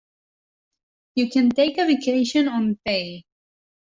You can take a vacation on pay.